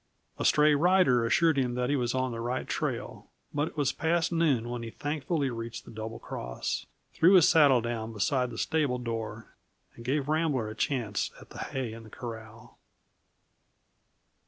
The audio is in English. A stray rider assured him that he was on the right trail, but it was past noon when he thankfully reached the Double Cross, threw his saddle down beside the stable door, and gave Rambler a chance at the hay in the corral.